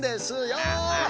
そうだよ。